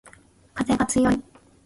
かぜがつよい